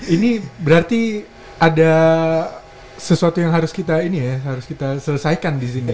ini berarti ada sesuatu yang harus kita selesaikan di sini